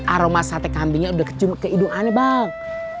aroma sate kambingnya sudah ke hidungannya bang